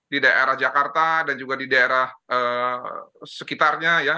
di daerah jakarta dan juga di daerah sekitarnya ya